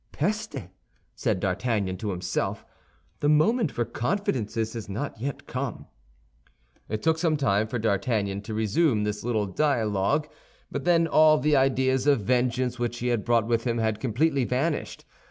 "Peste!" said D'Artagnan to himself, "the moment for confidences has not yet come." It took some time for D'Artagnan to resume this little dialogue; but then all the ideas of vengeance which he had brought with him had completely vanished.